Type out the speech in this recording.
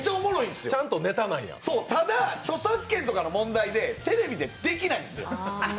ただ著作権の問題でテレビでできないんですよ